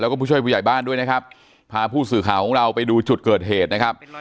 แล้วก็ผู้ช่วยผู้ใหญ่บ้านด้วยนะครับพาผู้สื่อข่าวของเราไปดูจุดเกิดเหตุนะครับ